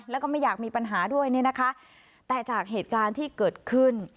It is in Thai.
แล้วก็ไม่อยากมีปัญหาด้วยเนี่ยนะคะแต่จากเหตุการณ์ที่เกิดขึ้น